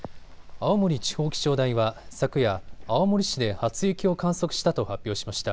青森地方気象台は昨夜、青森市で初雪を観測したと発表しました。